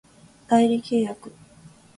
代理契約